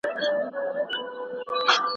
ټولنیز نهاد د چلند د لارښوونې بنسټ جوړوي.